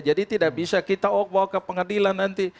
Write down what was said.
jadi tidak bisa kita bawa ke pengadilan nanti